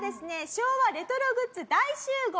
昭和レトログッズ大集合！